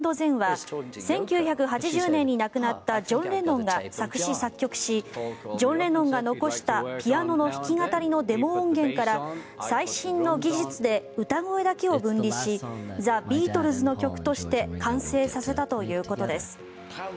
ザ・ビートルズ最後の新曲「ナウ・アンド・ゼン」は１９８０年に亡くなったジョン・レノンが作詞作曲しジョン・レノンが残したピアノの弾き語りのデモ音源から最新の技術で歌声だけを分離しザ・ビートルズの曲として完成させたということです。